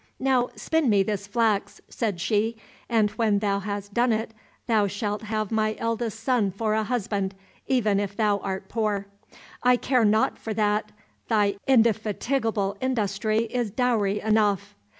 "Now spin me this flax," said she, "and when thou hast done it, thou shalt have my eldest son for a husband, even if thou art poor. I care not for that, thy indefatigable industry is dowry enough."